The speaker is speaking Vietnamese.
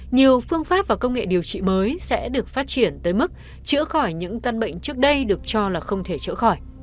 nhiều phương pháp và công nghệ điều trị mới sẽ được phát triển tới mức chữa khỏi những căn bệnh trước đây được cho là không thể chữa khỏi